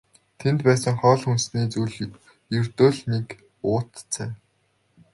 Тэнд байсан хоол хүнсний зүйл нь ердөө л нэг уут цай.